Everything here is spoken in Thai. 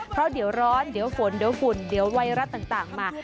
เพราะเดี๋ยวร้อนเดี๋ยวฝนเดี๋ยวไวรัสต่างมา